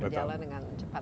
jalan dengan cepat